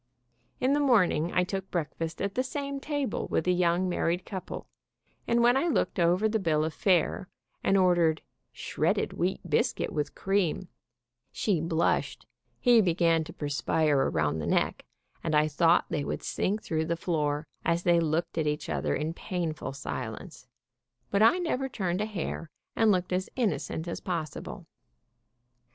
In the morning I took breakfast at the same table with the young married couple, and when I looked over the bill of fare, and ordered "shredded wheat biscuit with cream," she blushed, he began to perspire around the neck, and I thought they would sink through the floor, as they looked at each other in painful silence, but I never turned a hair, and looked as innocent as possible.